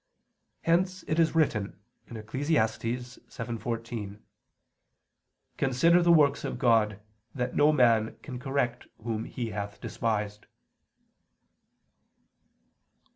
Hence it is written (Eccles. 7:14): "Consider the works of God that no man can correct whom He hath despised."